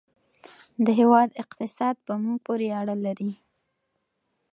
د هېواد اقتصاد په موږ پورې اړه لري.